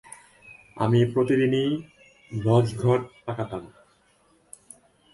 আমি প্রতিদিনই ভজঘট পাকাতাম।